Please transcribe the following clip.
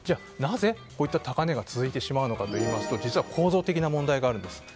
なぜこういった高値が続いてしまうのかといいますと実は構造的な問題があるんです。